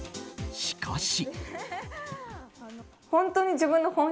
しかし。